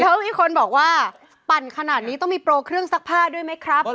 แล้วมีคนบอกว่าปั่นขนาดนี้ต้องมีโปรเครื่องซักผ้าด้วยไหมครับ